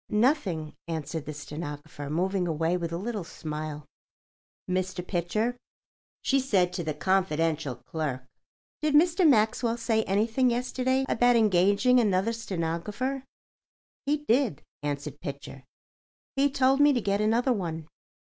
"Nothing," answered the stenographer, moving away with a little smile. "Mr. Pitcher," she said to the confidential clerk, "did Mr. Maxwell say anything yesterday about engaging another stenographer?" "He did," answered Pitcher. "He told me to get another one.